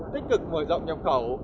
tích cực mở rộng nhập khẩu